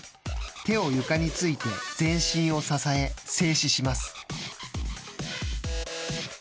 手を床について全身を支え静止します。